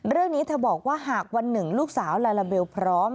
เรื่องนี้เธอบอกว่าหากวันหนึ่งลูกสาวลาลาเบลพร้อม